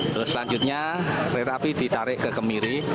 terus selanjutnya kereta api ditarik ke kemiri